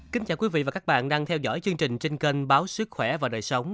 kính chào quý vị và các bạn đang theo dõi chương trình trên kênh báo sức khỏe và đời sống